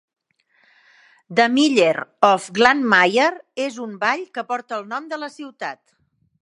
"The Miller of Glanmire" és un ball que porta el nom de la ciutat.